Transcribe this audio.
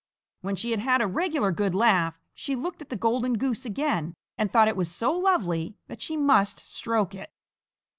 When she had had a regular good laugh, she looked at the golden goose again and thought it was so lovely that she must stroke it.